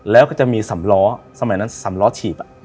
แล้วก็จะมีสำล้อสมัยนั้นสำล้อฉีบ